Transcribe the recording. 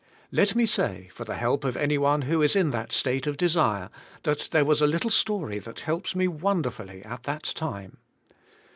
Let me say, for the help of anyone who is in that state of desire, that there was a little story that helped me wonderfully, at that time.